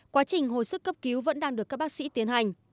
quá trình hồi sức cấp cứu vẫn đang được các bác sĩ tiến hành